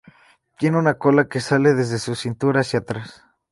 Tiene una cola que sale desde su cintura hacia atrás.